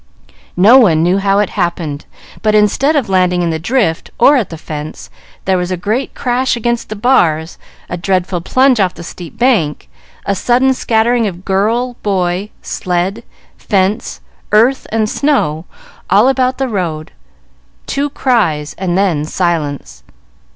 No one knew how it happened, but instead of landing in the drift, or at the fence, there was a great crash against the bars, a dreadful plunge off the steep bank, a sudden scattering of girl, boy, sled, fence, earth, and snow, all about the road, two cries, and then silence.